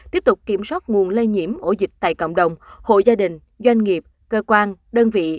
tiếp tục kiểm soát nguồn lây nhiễm ổ dịch tại cộng đồng hộ gia đình doanh nghiệp cơ quan đơn vị